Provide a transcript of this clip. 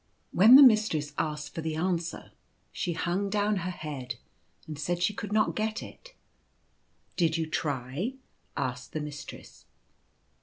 When the Mistress asked for the answer she hung down her head and said she could not get it. "Did you try ?" asked the Mistress.